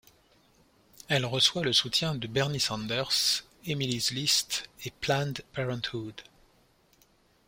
Elle reçoit le soutien de Bernie Sanders, Emily's List et Planned Parenthood.